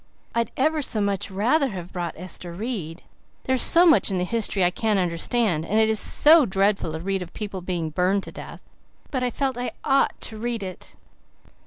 I'd ever so much rather have brought Ester Reid. There's so much in the history I can't understand, and it is so dreadful to read of people being burned to death. But I felt I OUGHT to read it."